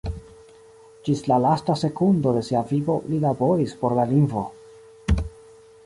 Ĝis la lasta sekundo de sia vivo li laboris por la lingvo.